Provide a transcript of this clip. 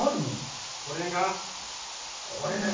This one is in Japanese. それが、これです！